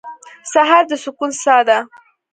سهار د سکون ساه ده.